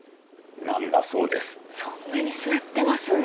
そんなに座ってます？